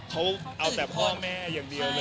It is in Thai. เขาเอาแต่พ่อแม่อย่างเดียวเลย